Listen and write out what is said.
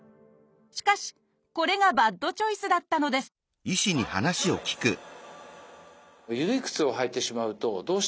しかしこれがバッドチョイスだったのですバッドチョイス！